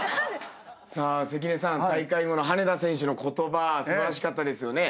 さあ関根さん大会後の羽根田選手の言葉素晴らしかったですよね。